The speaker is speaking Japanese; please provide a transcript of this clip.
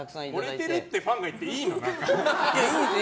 盛れてるってファンが言っていいの？いいんですよ。